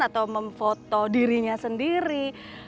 atau memfoto dirinya sendiri